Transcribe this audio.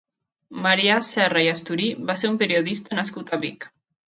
Marià Serra i Esturí va ser un periodista nascut a Vic.